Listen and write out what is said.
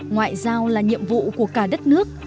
ngoại giao là nhiệm vụ của cả đất nước